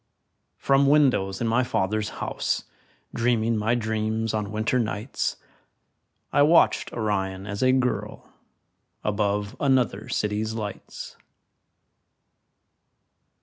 From windows in my father's house, Dreaming my dreams on winter nights, I watched Orion as a girl Above another city's lights.